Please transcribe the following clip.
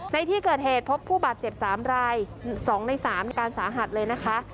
ในที่เกิดเหตุพบผู้บาดเจ็บ๓ราย๒ใน๓การสาหัสเลยนะคะ